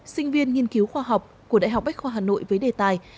sinh viên nghiên cứu khoa học của đại học bách khoa hà nội với đề tài